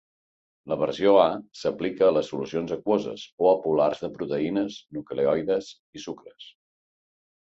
La versió A s'aplica a les solucions aquoses o apolars de proteïnes, nucleoides i sucres.